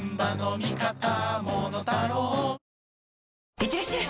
いってらっしゃい！